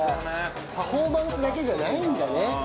パフォーマンスだけじゃないんだね。